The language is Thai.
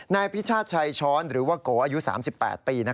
นายพิชาติชัยช้อนหรือว่าโกอายุ๓๘ปี